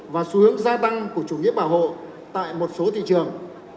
và xu hướng gia tăng của chủ nghĩa bảo hộ tại một số thị trường